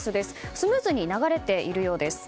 スムーズに流れているようです。